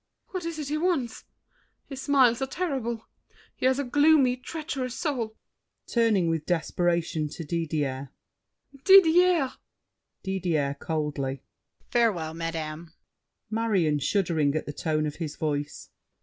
What is it he wants? His smiles are terrible. He has a gloomy, Treacherous soul. [Turning with desperation to Didier. Didier! DIDIER (coldly). Farewell, madame! MARION (shuddering at the tone of his voice).